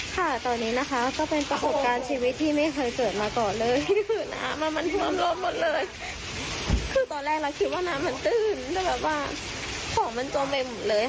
ค่ะตอนนี้นะคะก็เป็นประสบการณ์ชีวิตที่ไม่เคยเกิดมาก่อนเลยนี่คือน้ำมันมันท่วมล้มหมดเลยคือตอนแรกเราคิดว่าน้ำมันตื้นแต่แบบว่าของมันจมไปหมดเลย